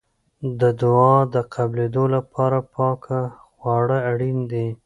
د دعا د قبلېدو لپاره پاکه خواړه اړین دي.